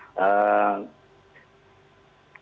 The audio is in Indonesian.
selamat malam terima kasih jnn